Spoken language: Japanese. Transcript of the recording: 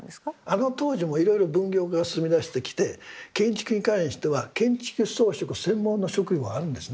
あの当時もいろいろ分業化が進みだしてきて建築に関しては建築装飾専門の職業あるんですね。